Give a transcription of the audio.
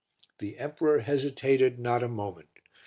The emperor hesitated not a moment.